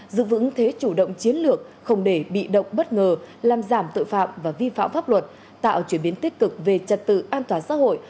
giữ vững thế chủ động chiến lược không để bị động bất ngờ làm giảm tội phạm và vi phạm pháp luật tạo chuyển biến tích cực về trật tự an toàn xã hội